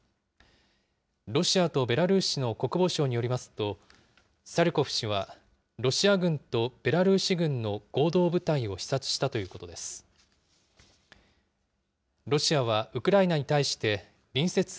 ロシアとベラルーシの国防省によりますと、サリュコフ氏はロシア軍とベラルーシ軍の合同部隊を視察したということです。